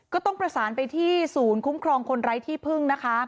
ก็ต้องประสานไปที่ศูนย์คุ้มครองคนไร้ที่พึ่งนะคะ